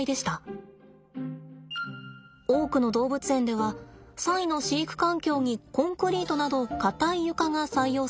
多くの動物園ではサイの飼育環境にコンクリートなど硬い床が採用されていました。